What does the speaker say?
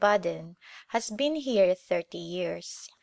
Budden, has been here thirty years.